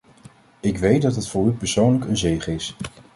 Ik weet dat het voor u persoonlijk een zege is.